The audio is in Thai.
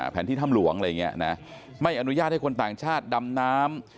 ที่ถ้ำหลวงอะไรอย่างนี้นะไม่อนุญาตให้คนต่างชาติดำน้ำ